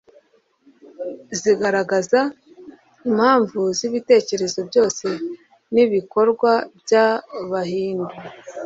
zigaragaza impamvu z’ibitekerezo byose n’ibikorwa by’abahindu